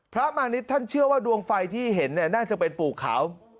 พระมาณิชย์ท่านเชื่อว่าดวงไฟที่เห็นน่าจะเป็นปู่ขาว